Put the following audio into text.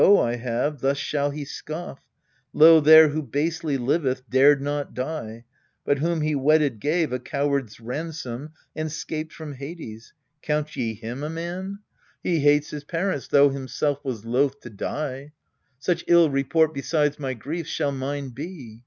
I have, thus shall he scoff :" Lo there who basely liveth dared not die, But whom he wedded gave, a coward's ransom, And 'scaped from Hades. Count ye him a man? ALCESTIS 231 He hates his parents, though himself was loath To die !" Such ill report, besides my griefs, Shall mine be.